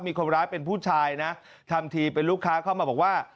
มีคนร้ายเป็นผู้ชายนะทำทีเป็นลูกค้าเข้ามาบอกว่า